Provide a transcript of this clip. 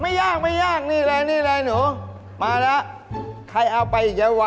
ไม่ยากไม่ยากนี่แหละนี่เลยหนูมาแล้วใครเอาไปอีกแล้ววะ